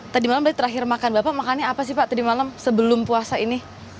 tadi malam berarti terakhir makan bapak makannya apa sih pak tadi malam sebelum puasa ini